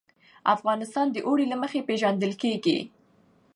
افغانستان د اوړي له مخې پېژندل کېږي.